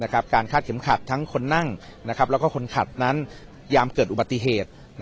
คาดเข็มขัดทั้งคนนั่งแล้วก็คนขับนั้นยามเกิดอุบัติเหตุ